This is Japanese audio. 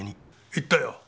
行ったよ。